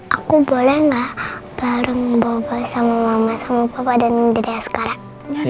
aku boleh gak bareng bawa bawa sama mama sama papa dan dedek sekarang